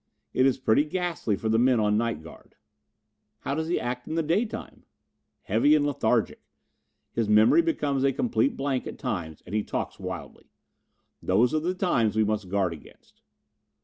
It is pretty ghastly for the men on night guard." "How does he act in the daytime?" "Heavy and lethargic. His memory becomes a complete blank at times and he talks wildly. Those are the times we must guard against."